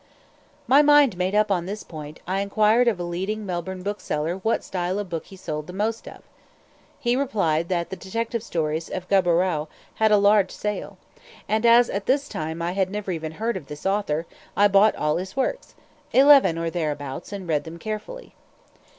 My mind made up on this point, I enquired of a leading Melbourne bookseller what style of book he sold most of. He replied that the detective stories of Gaboriau had a large sale; and as, at this time, I had never even heard of this author, I bought all his works eleven or thereabouts and read them carefully.